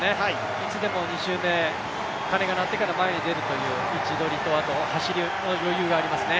いつでも２周目、鐘が鳴ってから前に出るという位置取りと走りの余裕がありますね。